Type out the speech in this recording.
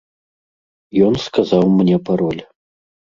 Ён сказаў мне пароль.